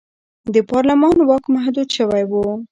د پارلمان واک محدود شوی و.